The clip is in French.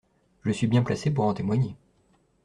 Je suis bien placée pour en témoigner.